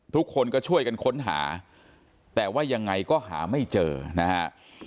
ทุกคนก็ช่วยกันค้นหาแต่ว่ายังไงก็หาไม่เจอนะฮะ